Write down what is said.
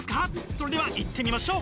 それではいってみましょう！